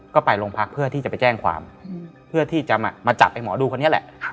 ก็ไปโรงพักเพื่อที่จะไปแจ้งความเพื่อที่จะมาจับไอ้หมอดูคนนี้แหละ